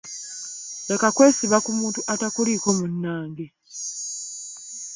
Leka kwesiba ku muntu atakuliiko munnange.